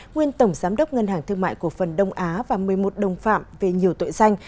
nguyên tổng giám đốc ngân hàng thương mại cổ phần đông á và một mươi một đồng phạm về nhiều tội danh